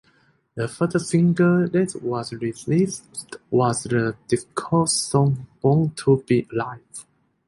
The first single that was released was the disco song "Born to Be Alive".